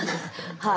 はい。